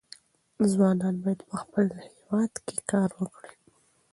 ځوانان باید په خپل هېواد کې کار وکړي.